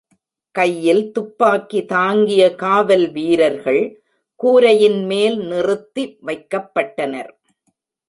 கையில் துப்பாக்கி தாங்கிய காவல் வீரர்கள் கூரையின் மேல் நிறுத்தி வைக்கப்பட்டனர்.